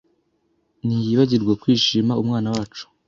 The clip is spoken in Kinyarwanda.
Ntiyibagirwa kwishimira umwana wacu.